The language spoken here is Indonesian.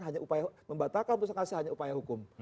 hanya upaya membatalkan hanya upaya hukum